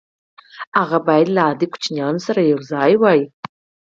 هغه بايد له عادي ماشومانو سره يو ځای وي.